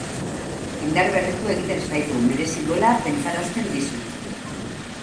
Indarberritu egiten zaitu, merezi duela pentsarazten dizu.